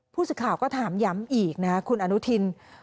ผู้สื่อข่าวก็ถามย้ำอีกนะครับคุณอนุทิน